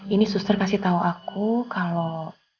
ini suster kasih tahu aku kalau